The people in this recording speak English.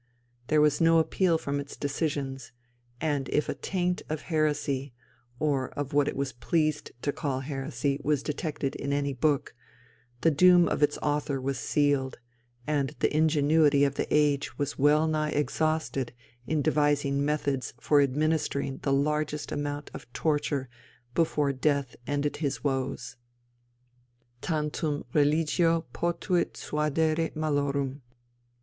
There was no appeal from its decisions, and if a taint of heresy, or of what it was pleased to call heresy, was detected in any book, the doom of its author was sealed, and the ingenuity of the age was well nigh exhausted in devising methods for administering the largest amount of torture before death ended his woes. _Tantum religio potuit suadere malorum.